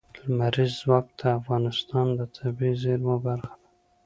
لمریز ځواک د افغانستان د طبیعي زیرمو برخه ده.